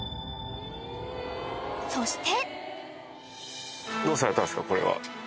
［そして］